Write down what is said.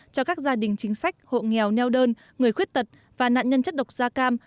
cho các gia đình chính sách hộ nghèo neo đơn người khuyết tật và nạn nhân chất độc da cam